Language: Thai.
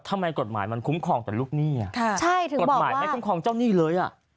ทำไมกฎหมายมันคุ้มครองแต่ลูกหนี้กฎหมายไม่คุ้มครองเจ้าหนี้เลยอ่ะ